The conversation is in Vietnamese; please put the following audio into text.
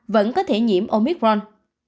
vẫn có thể nhiễm omicron